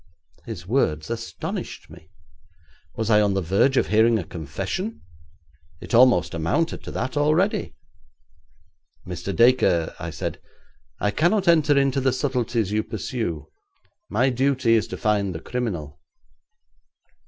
His words astonished me. Was I on the verge of hearing a confession? It almost amounted to that already. 'Mr. Dacre,' I said, 'I cannot enter into the subtleties you pursue. My duty is to find the criminal.'